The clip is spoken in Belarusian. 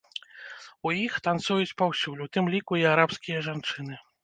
У іх танцуюць паўсюль, у тым ліку, і арабскія жанчыны.